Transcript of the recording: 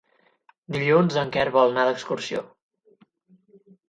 Dilluns en Quer vol anar d'excursió.